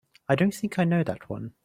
I don't think I know that one.